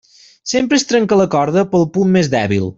Sempre es trenca la corda pel punt més dèbil.